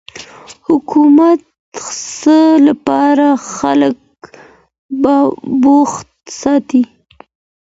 حکومت د څه لپاره خلګ بوخت ساتي؟